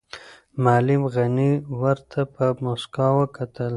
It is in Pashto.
معلم غني ورته په موسکا وکتل.